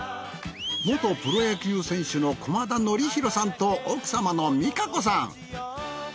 元プロ野球選手の駒田徳広さんと奥様の美佳子さん。